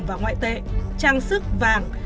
và ngoại tệ trang sức vàng